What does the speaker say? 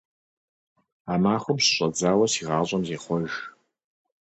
А махуэм щыщӀэдзауэ си гъащӀэм зехъуэж.